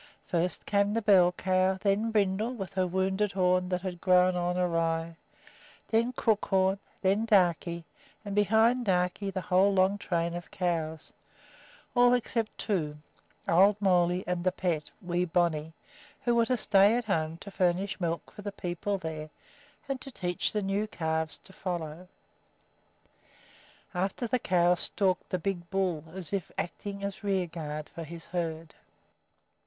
First came the bell cow, then Brindle with her wounded horn that had grown on awry, then Crookhorn, then Darkey, and behind Darkey the whole long train of cows, all except two, old Moolley and the pet, Wee Bonny, who were to stay at home to furnish milk for the people there and to teach the new calves to follow. After the cows stalked the big bull, as if acting as rear guard for his herd.